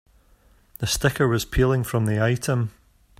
The sticker was peeling from the item.